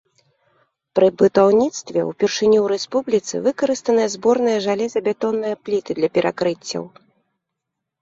Пры будаўніцтве ўпершыню ў рэспубліцы выкарыстаныя зборныя жалезабетонныя пліты для перакрыццяў.